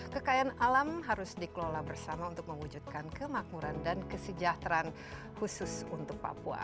kekayaan alam harus dikelola bersama untuk mewujudkan kemakmuran dan kesejahteraan khusus untuk papua